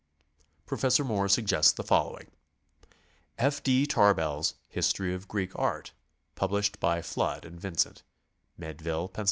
Professor Moore suggests the following: F. D. Tarbell's "History of Greek Art," published by Flood & Vincent, Meadville, Penn.